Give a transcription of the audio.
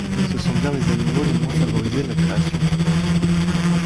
Ce sont bien les animaux les moins favorisés de la création.